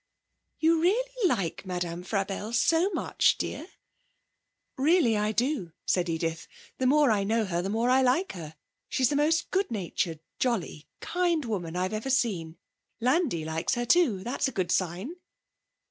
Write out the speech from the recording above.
'You really like Madame Frabelle so much, dear?' 'Really I do,' said Edith. 'The more I know her, the more I like her. She's the most good natured, jolly, kind woman I've ever seen. Landi likes her too. That's a good sign.'